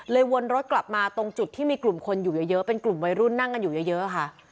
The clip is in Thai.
วนรถกลับมาตรงจุดที่มีกลุ่มคนอยู่เยอะเป็นกลุ่มวัยรุ่นนั่งกันอยู่เยอะค่ะ